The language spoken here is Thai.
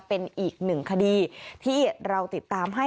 เป็นอีกหนึ่งคดีที่เราติดตามให้